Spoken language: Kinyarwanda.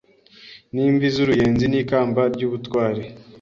n’imvi z’uruyenzi n ikamba ry’ubutwari